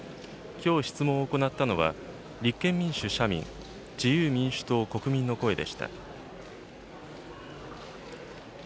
きょう質問を行ったのは、立憲民主・社民、自由民主党・国民の声でした。